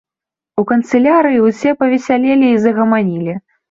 У канцылярыі ўсе павесялелі і загаманілі.